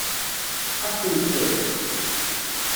Ad ɣ-tent-tefk?